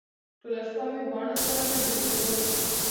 ټوله شپه مې باڼه سره نه دي لګېدلي.